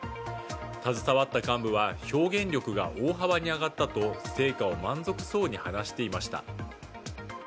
携わった幹部は表現力が大幅に上がったと成果を満足そうに話していました。